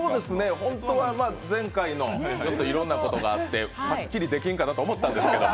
本当は前回のちょっといろんなことがあっててっきり出禁かなと思ったんですけど